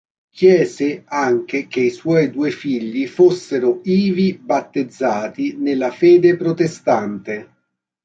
Chiese anche che i suoi due figli fossero ivi battezzati nella fede protestante.